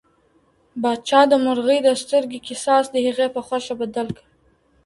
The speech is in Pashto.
پاچا د مرغۍ د سترګې قصاص د هغې په خوښه بدل کړ.